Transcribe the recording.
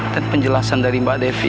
dan penjelasan dari mbak devi